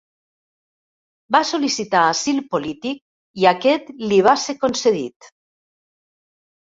Va sol·licitar asil polític i aquest li va ser concedit.